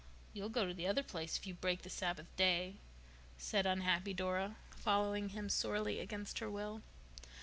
"You'll go to the other place if you break the Sabbath day," said unhappy Dora, following him sorely against her will.